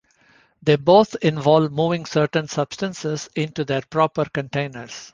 They both involve moving certain substances into their proper containers.